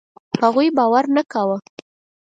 هغوی باور نه کاوه.